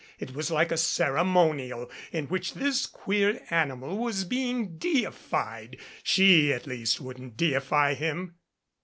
It was like a ceremonial in which this queer animal was being deified. She, at least, wouldn't deify him.